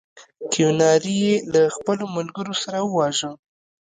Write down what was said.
کیوناري یې له خپلو ملګرو سره وواژه.